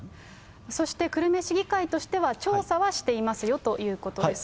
そして久留米市議会としては、調査はしていますよということですね。